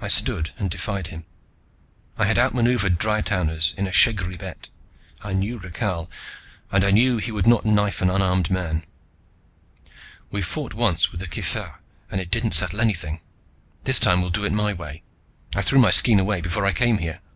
I stood and defied him. I had outmaneuvered Dry towners in a shegri bet. I knew Rakhal, and I knew he would not knife an unarmed man. "We fought once with the kifirgh and it didn't settle anything. This time we'll do it my way. I threw my skean away before I came here.